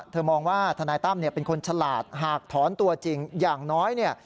เธอมองว่าทนายต้ำเป็นคนฉลาดหากถอนตัวจริงอย่างน้อย